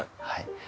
はい。